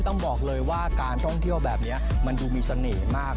ต้องบอกเลยว่าการท่องเที่ยวแบบนี้มันดูมีเสน่ห์มาก